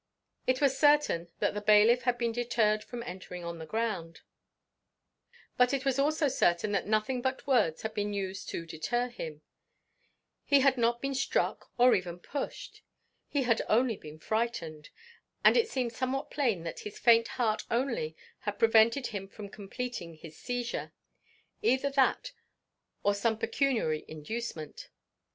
It was certain that the bailiff had been deterred from entering on the ground, but it was also certain that nothing but words had been used to deter him; he had not been struck or even pushed; he had only been frightened; and it seemed somewhat plain that his faint heart only had prevented him from completing his seizure either that or some pecuniary inducement.